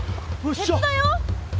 鉄だよ？